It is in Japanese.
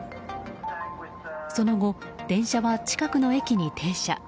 その後、電車は近くの駅に停車。